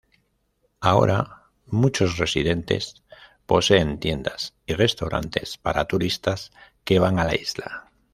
Ahora, muchos residentes poseen tiendas y restaurantes para turistas que van a la isla.